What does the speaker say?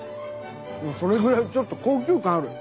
それぐらいちょっと高級感ある。